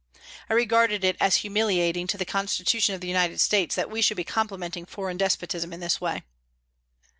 I regarded it as humiliating to the constitution of the United States that we should be complimenting foreign despotism in this way.